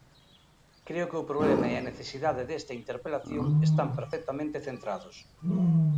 Creo que o problema e a necesidade desta interpelación están perfectamente centrados.